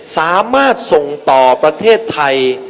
สามารถส่งต่อประเทศไทย